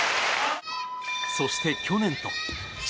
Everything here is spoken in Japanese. そして、去年と。